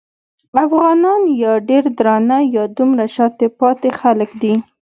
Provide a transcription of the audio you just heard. افغانان یا ډېر درانه یا دومره شاته پاتې خلک دي.